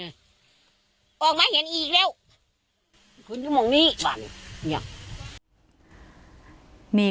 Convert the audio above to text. ต้องมองนี่งี้